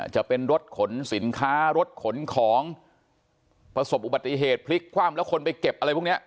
จะเป็นรถขนสินค้ารถขนของประสบอุบัติเหตุพลิกคว่ำแล้วคนไปเก็บอะไรพวกนี้